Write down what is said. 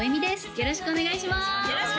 よろしくお願いします